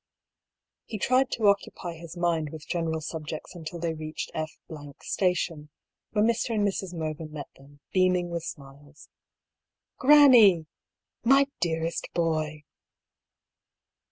He tried to occupy his mind with general subjects until they reached P Station, where Mr. and Mrs. Mervyn met them, beaming with smiles. " Granny !"" My dearest boy